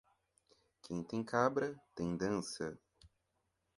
Quem tem cabra tem dança.